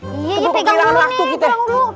kebuka kehilangan waktu kita